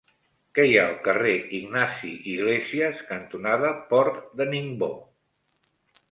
Què hi ha al carrer Ignasi Iglésias cantonada Port de Ningbo?